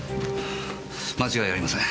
間違いありません。